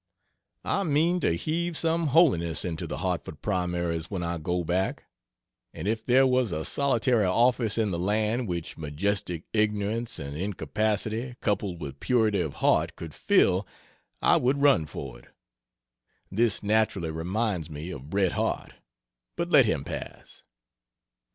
I mean to heave some holiness into the Hartford primaries when I go back; and if there was a solitary office in the land which majestic ignorance and incapacity, coupled with purity of heart, could fill, I would run for it. This naturally reminds me of Bret Harte but let him pass.